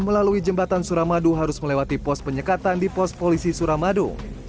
melalui jembatan suramadu harus melewati pos penyekatan di pos polisi suramadu